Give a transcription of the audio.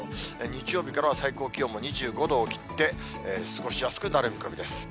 日曜日からは最高気温も２５度を切って、過ごしやすくなる見込みです。